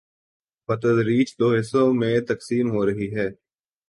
، بتدریج دو حصوں میں تقسیم ہورہی ہی۔